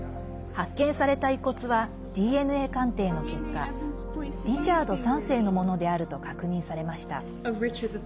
発見された遺骨はＤＮＡ鑑定の結果リチャード３世のものであると確認されました。